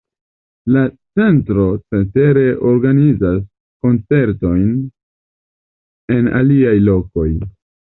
La centro cetere organizas koncertojn en aliaj lokoj.